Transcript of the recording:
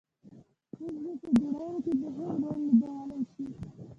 ستونزو په جوړولو کې مهم رول لوبولای شي.